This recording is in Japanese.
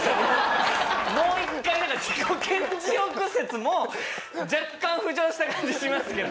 もう１回だから自己顕示欲説も若干浮上した感じしますけど。